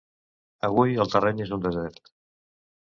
Avui el terreny és un desert.